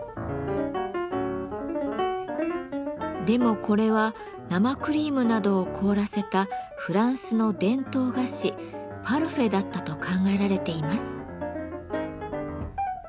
でもこれは生クリームなどを凍らせたフランスの伝統菓子「パルフェ」だったと考えられています。